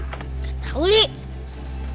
tidak tahu tapi dikubur